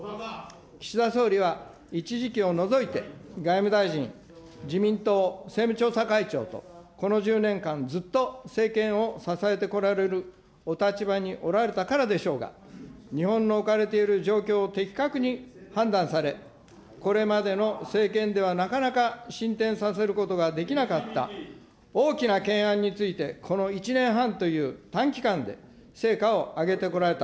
岸田総理は、一時期を除いて、外務大臣、自民党政務調査会長と、この１０年間、ずっと政権を支えてこられるお立場におられたからでしょうが、日本の置かれている状況を的確に判断され、これまでの政権ではなかなか進展させることができなかった大きな懸案についてこの１年半という短期間で成果を上げてこられた。